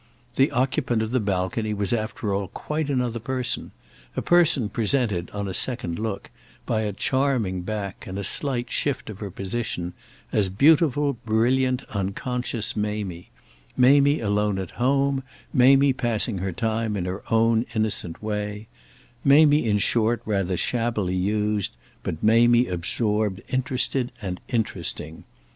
The occupant of the balcony was after all quite another person, a person presented, on a second look, by a charming back and a slight shift of her position, as beautiful brilliant unconscious Mamie—Mamie alone at home, Mamie passing her time in her own innocent way, Mamie in short rather shabbily used, but Mamie absorbed interested and interesting.